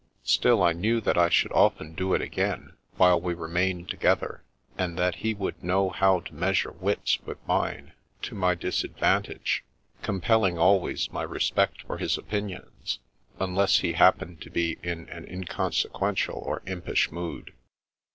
Still, I knew that I should often do it again, while we remained together, and that he would know how to measure wits with mine, to my disadvantage, com pelling always my respect for his opinions, unless he happened to be in an inconsequential or impish mood.